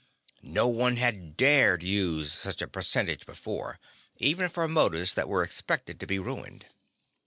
No one had dared use such a percentage before, even for motors that were expected to be ruined.